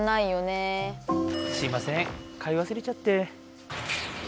すいません買いわすれちゃって。